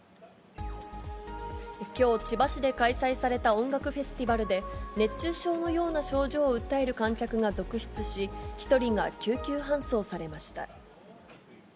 きょう、千葉市で開催された音楽フェスティバルで熱中症のような症状を訴える観客が続出し、１人が救急搬送されました。